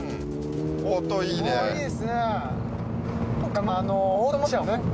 良いですね。